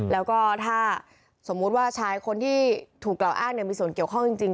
แล้วก็ถ้าสมมุติว่าชายคนที่ถูกกล่าวอ้างมีส่วนเกี่ยวข้องจริง